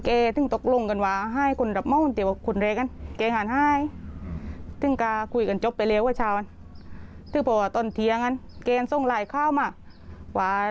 เคาน์เตอร์ในครัวเนี่ยพังเลยนะคะ